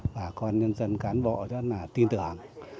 bà con nhân dân cán bộ rất là tin tưởng